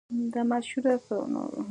ایا ګرمې اوبه کاروئ؟